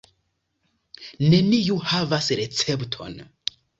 Neniu havas recepton.